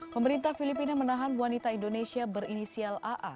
pemerintah filipina menahan wanita indonesia berinisial aa